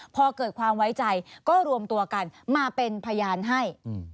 พอเกิดความไว้ใจก็รวมตัวกันมาเป็นพยานให้